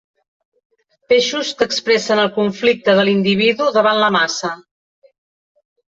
Peixos que expressen el conflicte de l'individu davant la massa.